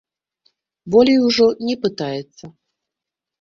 Болей ужо не пытаецца.